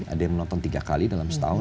ada yang menonton tiga kali dalam setahun